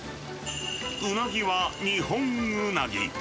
ウナギはニホンウナギ。